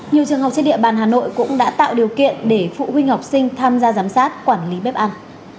nhiều trường học trên địa bàn hà nội cũng đã tạo điều kiện để phụ huynh học sinh tham gia giám sát quản lý bếp ăn